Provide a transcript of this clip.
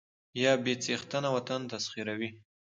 يا بې څښنته وطن تسخيروي